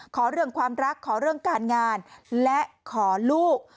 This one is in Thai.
ขอเรื่องความรักขอเรื่องการงานและขอลูก